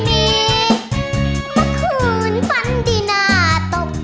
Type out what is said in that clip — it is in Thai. เมื่อคืนฝันดีน่าตก